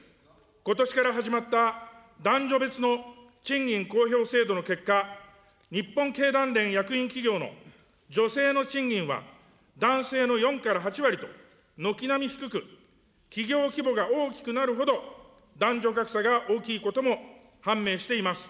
ことしから始まった、男女別の賃金公表制度の結果、日本経団連役員企業の女性の賃金は、男性の４から８割と、軒並み低く、企業規模が大きくなるほど、男女格差が大きいことも判明しています。